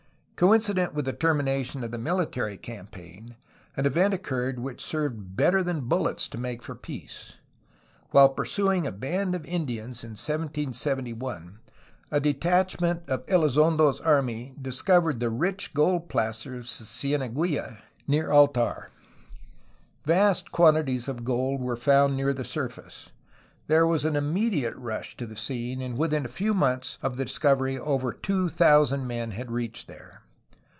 Coincident with the termination of the military campaign an event occurred which served better than bullets to make for peace. While pursuing a band of Indians in 1771 a de tachment of Elizondo's army discovered the rich gold placers of Cieneguilla, near Altar. Vast quantities of gold were found near the surface. There was an immediate rush to the scene, and within a few months of the discovery over two thousand men had reached there.